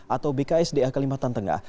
atau bksda kalimantan tengah